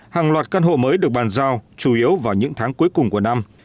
hàng loạt căn hộ mới được bàn giao chủ yếu vào những tháng cuối cùng của năm